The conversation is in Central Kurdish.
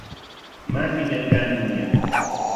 مافی دەنگدانم نییە.